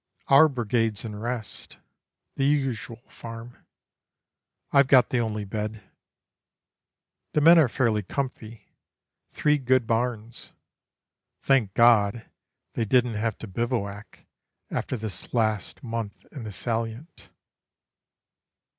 ... Our Brigade's in rest The usual farm. I've got the only bed. The men are fairly comfy three good barns. Thank God, they didn't have to bivouac After this last month in the Salient.)